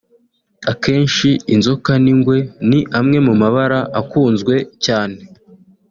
akenshi inzoka n’ingwe ni amwe mu mabara akunzwe cyane